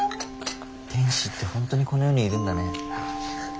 天使って本当にこの世にいるんだね。